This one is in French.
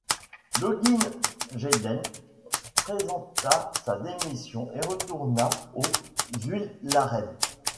Loggin Geiden présenta sa démission et retourna à Zuidlaren.